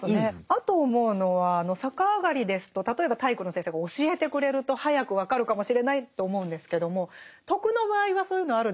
あと思うのは逆上がりですと例えば体育の先生が教えてくれると早く分かるかもしれないと思うんですけども「徳」の場合はそういうのあるんですか？